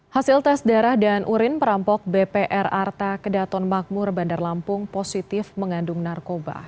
hasil tes darah dan urin perampok bpr arta kedaton makmur bandar lampung positif mengandung narkoba